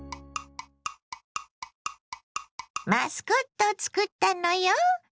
マスコットを作ったのよ。